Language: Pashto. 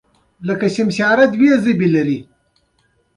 پیلوټ د مځکې له نقشې سره سم الوتنه کوي.